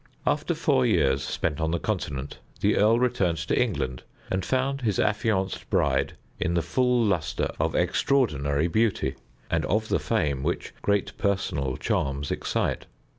After four years spent on the Continent, the earl returned to England, and found his affianced bride in the full lustre of extraordinary beauty, and of the fame which great personal charms excite.